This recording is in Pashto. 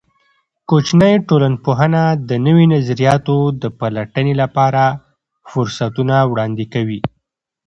کوچنۍ ټولنپوهنه د نوي نظریاتو د پلټنې لپاره فرصتونه وړاندې کوي.